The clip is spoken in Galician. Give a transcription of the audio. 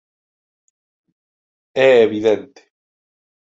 É evidente.